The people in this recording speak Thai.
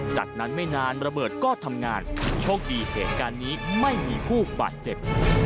จากนั้นไม่นานระเบิดก็ทำงานโชคดีเหตุการณ์นี้ไม่มีผู้บาดเจ็บ